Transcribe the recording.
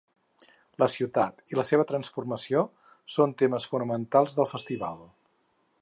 La ciutat i la seva transformació són temes fonamentals del festival.